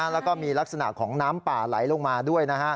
แล้วก็มีลักษณะของน้ำป่าไหลลงมาด้วย